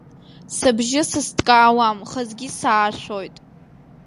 Сыбжьы сызҭкаауам, хазгьы саашәоит.